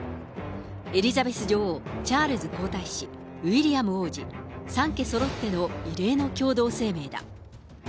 エリザベス女王、チャールズ皇太子、ウィリアム王子、３家そろっての異例の共同声明だ。